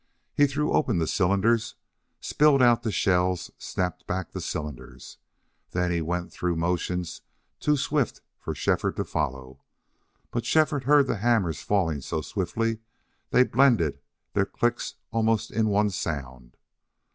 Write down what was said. He threw open the cylinders, spilled out the shells, snapped back the cylinders. Then he went through motions too swift for Shefford to follow. But Shefford heard the hammers falling so swiftly they blended their clicks almost in one sound.